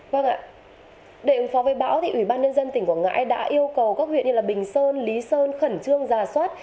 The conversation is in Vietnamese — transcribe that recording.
vâng ạ để ứng phó với bão thì ủy ban nhân dân tỉnh quảng ngãi đã yêu cầu các huyện như bình sơn lý sơn khẩn trương giả soát